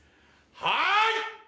はい！